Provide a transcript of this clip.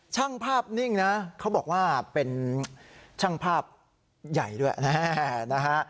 ช่างภาพนิ่งนะเขาบอกว่าเป็นช่างภาพใหญ่ด้วยนะฮะ